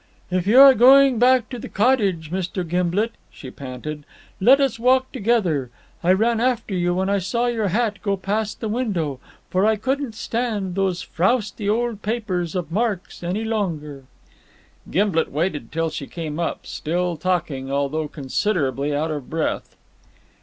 "If you are going back to the cottage, Mr. Gimblet," she panted, "let us walk together. I ran after you when I saw your hat go past the window, for I couldn't stand those frowsty old papers of Mark's any longer." Gimblet waited till she came up, still talking, although considerably out of breath.